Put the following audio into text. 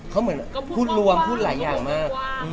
เขาคือพูดหลายอย่างมา